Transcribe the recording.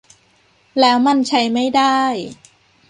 แล้วมันใช้ไม่ได้